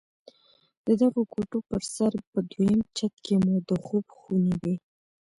د دغو کوټو پر سر په دويم چت کښې مو د خوب خونې وې.